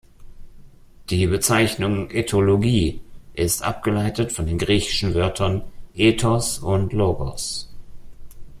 Die Bezeichnung "Ethologie" ist abgeleitet von den griechischen Wörtern "ethos" und "logos".